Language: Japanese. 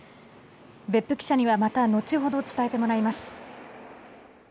別府記者にはまた後ほど伝えてもらいます。